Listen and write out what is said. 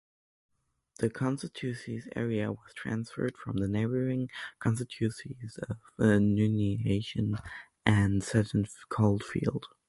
The constituency's area was transferred from the neighbouring constituencies of Nuneaton and Sutton Coldfield.